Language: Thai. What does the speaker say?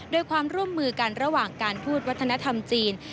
โดยความร่วมมือกันระหว่างการพูดวัฒนธรรมจีน